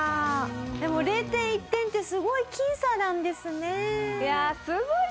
でも０．１点ってすごい僅差なんですね。